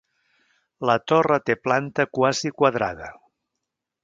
La torre té planta quasi quadrada.